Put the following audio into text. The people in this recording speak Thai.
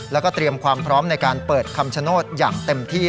แล้วก็เตรียมความพร้อมในการเปิดคำชโนธอย่างเต็มที่